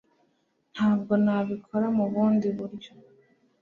Ntabwo nabikora mubundi buryo